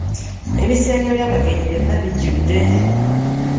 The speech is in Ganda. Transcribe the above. Ebisenge by'abagenyi byonna bijjudde.